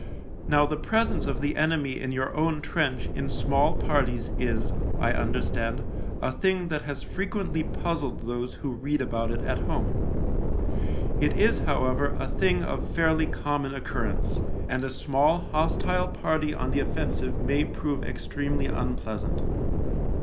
Now the presence of the enemy in your own trench in small parties is, I understand, a THE LIEUTENANT 43 thing that has frequently puzzled those who read about it at home. It is, however, a thing of fairly common occurrence, and a small hostile party on the offensive may prove extremely unpleasant.